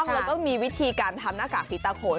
แล้วก็มีวิธีการทำหน้ากากผีตาโขน